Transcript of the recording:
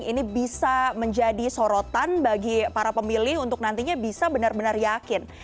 ini bisa menjadi sorotan bagi para pemilih untuk nantinya bisa benar benar yakin